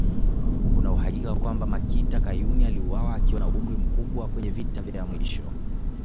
Kuna uhakika kwamba Makita Kayuni aliuawa akiwa na umri mkubwa kwenye vita ya mwisho